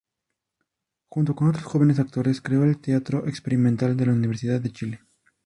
Junto con otros jóvenes actores creó el Teatro Experimental de la Universidad de Chile.